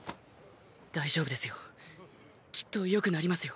大丈夫ですよ。きっと良くなりますよ。